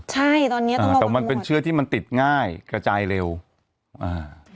ใช่ตอนเนี้ยอ่าแต่มันเป็นเชื้อที่มันติดง่ายกระจายเร็วอ่า